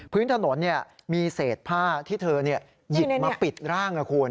พื้นถนนมีเศษผ้าที่เธอหยิบมาปิดร่างนะคุณ